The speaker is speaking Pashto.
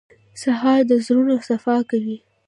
سهار د زړونو صفا کوي.